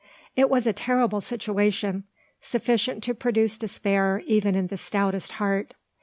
It was a terrible situation, sufficient to produce despair even in the stoutest heart.